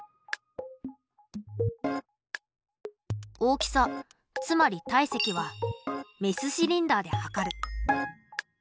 大きさつまり体積はメスシリンダーで測る。